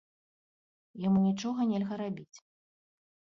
Яму нічога нельга рабіць.